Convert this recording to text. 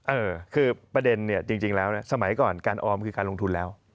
เออคือประเด็นเนี่ยจริงแล้วสมัยก่อนการออมคือการลงทุนแล้ว